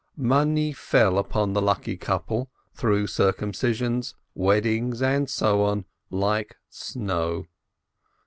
Money fell upon the lucky couple, through circumcisions, weddings, and so on, like snow.